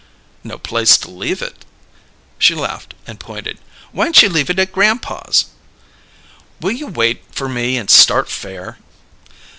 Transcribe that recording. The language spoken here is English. "No place to leave it." She laughed, and pointed. "Why'n't you leave it at grandpa's?" "Will you wait for me and start fair?"